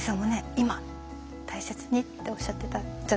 今を大切にっておっしゃってたじゃないですか。